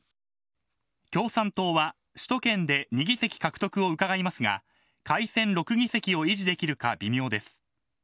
共産党は首都圏で２議席獲得をうかがいますが改選６議席を維持できるか微妙です。